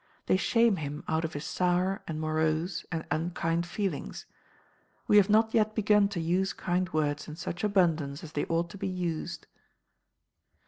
They shame him out of his sour, and morose, and unkind feelings. We have not yet begun to use kind words in such abundance as they ought to be used.